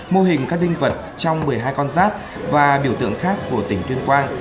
mô hình các dinh vật trong một mươi hai con rác và biểu tượng khác của tỉnh tuyên quang